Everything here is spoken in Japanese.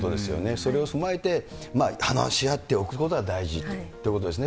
それを踏まえて、話し合っておくことが大事ということですね。